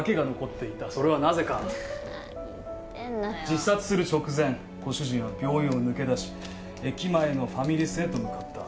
自殺する直前ご主人は病院を抜け出し駅前のファミレスへと向かった。